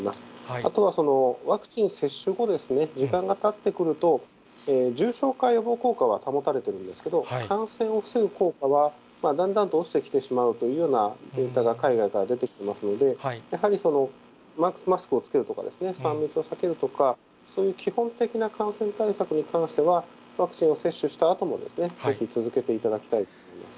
あとはワクチン接種後ですね、時間がたってくると、重症化予防効果は保たれているんですけど、感染を防ぐ効果は、だんだんと落ちてきてしまうというようなデータが海外から出てきますので、やはりマスクを着けるとかですね、３密を避けるとか、そういう基本的な感染対策に関しては、ワクチンを接種したあとも、ぜひ続けていただきたいと思います。